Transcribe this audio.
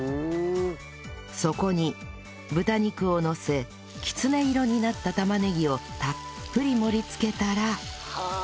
そこに豚肉をのせきつね色になった玉ねぎをたっぷり盛りつけたらはあ！